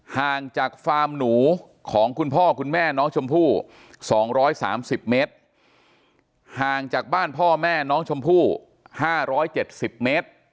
ห่างจากฟาร์มหนูของคุณพ่อคุณแม่น้องชมพู่สองร้อยสามสิบเมตรห่างจากบ้านพ่อแม่น้องชมพู่ห้าร้อยเจ็ดสิบเมตร